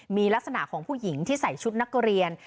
มีลักษณะของผู้หญิงที่ใส่ชุดนักเรียน